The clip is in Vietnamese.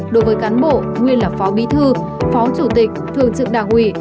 đối với cán bộ nguyễn lãnh phó bí thư phó chủ tịch thượng trưởng đảng ủy